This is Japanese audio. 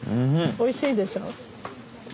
おいしいでしょう？